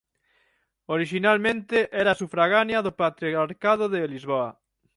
Orixinalmente era sufragánea do patriarcado de Lisboa.